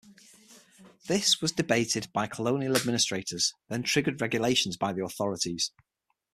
This was debated by colonial administrators, then triggered regulations by the authorities.